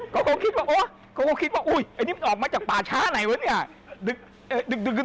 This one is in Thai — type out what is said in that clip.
ก็คงคิดว่าโอ๊ยอันนี้มันออกมาจากป่าช้าไหนวะเนี่ย